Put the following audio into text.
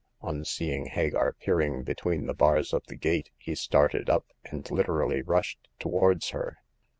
On seeing Hagar peering between the bars of the gate he started up, and literally rushed towards her.